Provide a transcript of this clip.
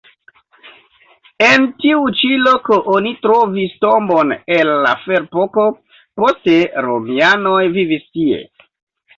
En tiu ĉi loko oni trovis tombon el la ferepoko, poste romianoj vivis tie.